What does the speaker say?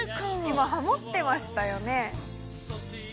今ハモってましたよね。